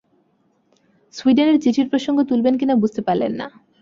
সুইডেনের চিঠির প্রসঙ্গ তুলবেন কি না বুঝতে পারলেন না।